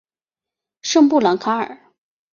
圣布朗卡尔。